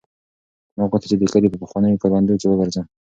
ما غوښتل چې د کلي په پخوانیو کروندو کې وګرځم.